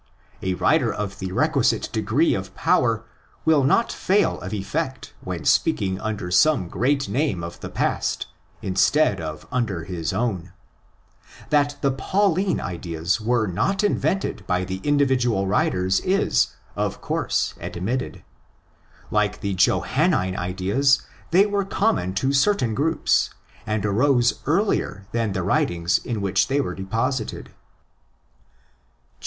A writer of the requisite degree of power will not fail of effect when speaking under some great name of the past instead of under his own.! That the '' Pauline" ideas were not invented by the individual writers is, of course, admitted. Like the "" Johannine" ideas, they were common to certain groups, and arose earlier than the writings in which they were deposited.